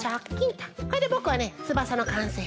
これでぼくはねつばさのかんせい。